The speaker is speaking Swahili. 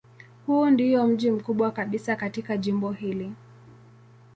Huu ndiyo mji mkubwa kabisa katika jimbo hili.